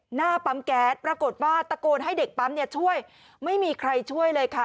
หน้าปั๊มแก๊สปรากฏว่าตะโกนให้เด็กปั๊มเนี่ยช่วยไม่มีใครช่วยเลยค่ะ